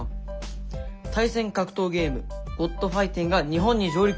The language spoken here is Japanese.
「対戦格闘ゲーム『ｇｏｄファイティン』が日本に上陸！」。